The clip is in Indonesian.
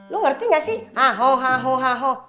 lu ngerti gak sih